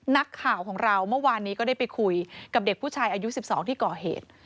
นักข่าวของเราเมื่อวานนี้ก็ได้ไปคุยกับเด็กผู้ชายอายุ๑๒ที่ก่อเหตุ